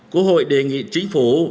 quốc hội đề nghị chính phủ